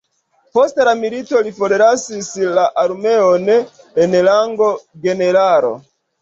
Post la milito li forlasis la armeon en rango generalo.